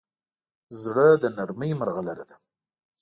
زړه د نرمۍ مرغلره ده.